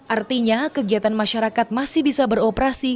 artinya kegiatan masyarakat masih bisa beroperasi